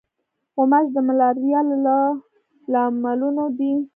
غوماشې د ملاریا له لاملونو دي.